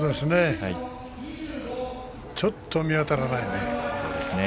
ちょっと見当たらないね。